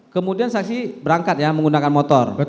kemudian saksi berangkat ya menggunakan motor